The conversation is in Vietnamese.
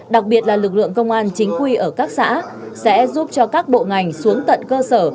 đặc biệt là lực lượng công an chính quy ở các xã sẽ giúp cho các bộ ngành xuống tận cơ sở